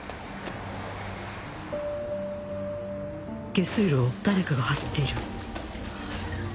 下水路を誰かが走っている